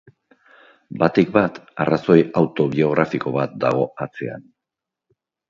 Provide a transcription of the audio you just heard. Batik bat, arrazoi autobiografiko bat dago atzean.